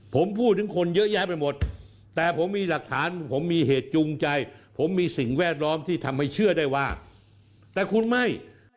ผมพูดถึงคนเยอะแยะไปหมดแต่ผมมีหลักฐานผมมีเหตุจูงใจผมมีสิ่งแวดล้อมที่ทำให้เชื่อได้ว่าแต่คุณไม่